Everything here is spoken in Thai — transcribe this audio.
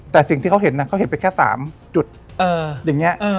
แต่สิ่งที่เขาเห็นเขาเห็นไปแค่๓จุดอย่างนี้